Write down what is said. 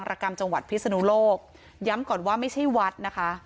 รกรรมจังหวัดพิศนุโลกย้ำก่อนว่าไม่ใช่วัดนะคะ